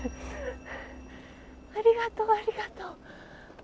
ありがとうありがとう。